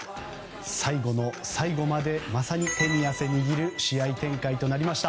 最後の最後までまさに手に汗握る試合展開となりました。